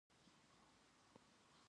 د میز پر سر دوړه پرته وه.